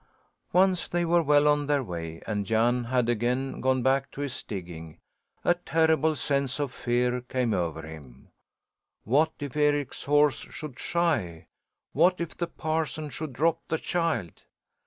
Once they were well on their way and Jan had again gone back to his digging, a terrible sense of fear came over him. What if Eric's horse should shy? What if the parson should drop the child?